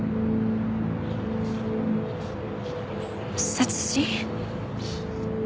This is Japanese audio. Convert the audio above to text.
殺人？